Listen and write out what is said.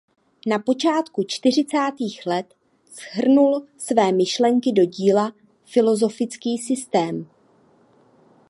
Na počátku čtyřicátých let shrnul své myšlenky do díla „Filozofický systém“.